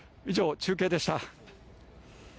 以上、中継でした。